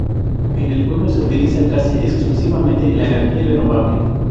En el pueblo se utiliza casi exclusivamente la energía renovable.